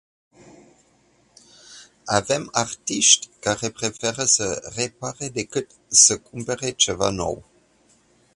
Avem artiști care preferă să repare decât să cumpere ceva nou.